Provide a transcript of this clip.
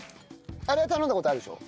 あれは頼んだ事あるでしょ？